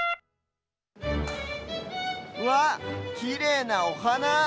うわっきれいなおはな。